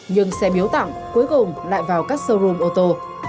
nhưng xe miếu tặng cuối cùng lại vào các showroom ô tô